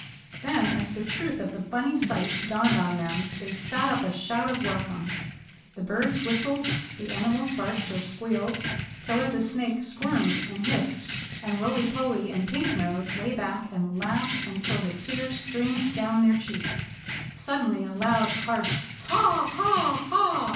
Then as the truth of the funny sight dawned upon them, they sat up a shout of welcome. The birds whistled; the animals barked or squealed; Killer the Snake squirmed and hissed, and Rolly Polly and Pink Nose lay back and laughed until the tears streamed down their cheeks. Suddenly a loud, harsh "Ha! Ha! Ha!"